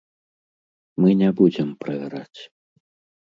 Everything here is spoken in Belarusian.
Мы не будзем правяраць.